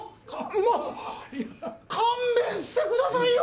勘弁してくださいよ！